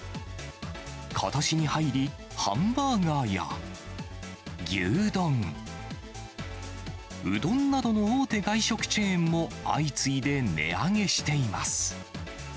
ことしに入り、ハンバーガーや牛丼、うどんなどの大手外食チェーンも、相次いで値上げしています。